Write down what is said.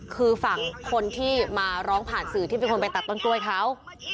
คือฝั่งคนที่มาร้องผ่านสื่อที่เป็นคนไปตัดต้นกล้วยเขา